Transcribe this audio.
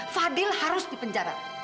fadil harus di penjara